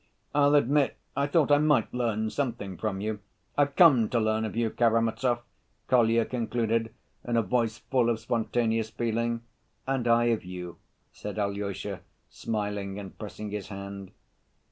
I'll admit I thought I might learn something from you. I've come to learn of you, Karamazov," Kolya concluded, in a voice full of spontaneous feeling. "And I of you," said Alyosha, smiling and pressing his hand.